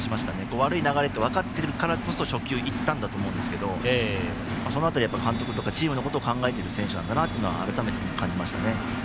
悪い流れだと分かってるからこそ初球、いったんだと思うんですけどその辺り監督とかチームのことを考えている選手なんだなと改めて感じましたね。